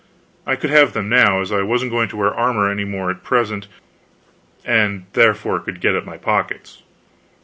I could have them now, as I wasn't going to wear armor any more at present, and therefore could get at my pockets.